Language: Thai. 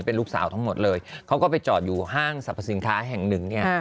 เป็นลูกสาวทั้งหมดเลยเขาก็ไปจอดอยู่ห้างสรรพสินค้าแห่งหนึ่งเนี่ย